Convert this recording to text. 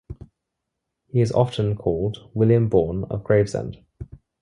He is often called William Bourne of Gravesend.